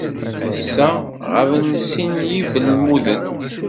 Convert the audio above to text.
Ass-a, ɣaben sin n yibalmuden.